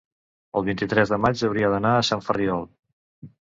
el vint-i-tres de maig hauria d'anar a Sant Ferriol.